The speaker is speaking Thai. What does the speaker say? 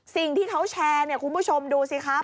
สิ่งที่เขาแชร์เนี่ยคุณผู้ชมดูสิครับ